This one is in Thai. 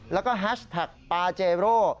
แล้วก็แฮชแท็กปาเจโร่